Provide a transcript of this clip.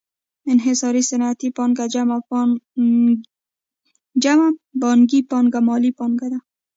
انحصاري صنعتي پانګه جمع بانکي پانګه مالي پانګه ده